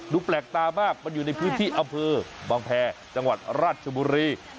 แปลกตามากมันอยู่ในพื้นที่อำเภอบางแพรจังหวัดราชบุรี